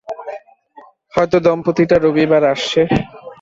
হয়তো দম্পতিটা রবিবারে আসছে।